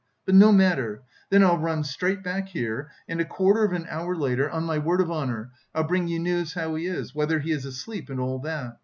But no matter! Then I'll run straight back here and a quarter of an hour later, on my word of honour, I'll bring you news how he is, whether he is asleep, and all that.